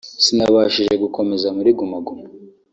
sinabashije gukomeza muri Guma Guma